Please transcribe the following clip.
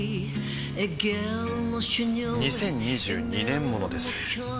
２０２２年モノです